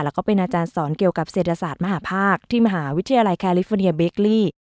แล้วก็เป็นอาจารย์สอนเกี่ยวกับเศรษฐศาสตร์มหาภาคที่มหาวิทยาลัยแคลิฟอร์เนียเบกลี่